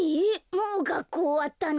もうがっこうおわったの？